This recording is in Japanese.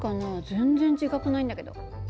全然自覚ないんだけど。